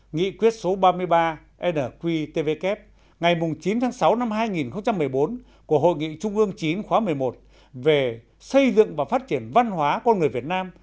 nghị quyết số ba mươi ba nqtvk ngày chín tháng sáu năm hai nghìn một mươi bốn của hội nghị trung ương chín khóa một mươi một về xây dựng và phát triển văn hóa con người việt nam